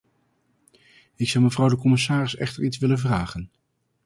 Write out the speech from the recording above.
Ik zou mevrouw de commissaris echter iets willen vragen.